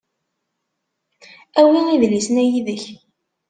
Awi idlisen-a yid-k.